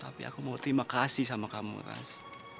tapi aku mau terima kasih sama kamu kan